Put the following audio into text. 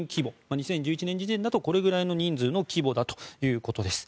２０１１年時点だとこれぐらいの人数の規模だということです。